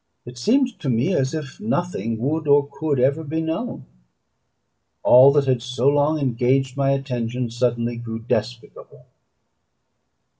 It seemed to me as if nothing would or could ever be known. All that had so long engaged my attention suddenly grew despicable.